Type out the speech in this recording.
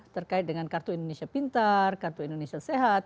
terkait dengan kartu indonesia pintar kartu indonesia sehat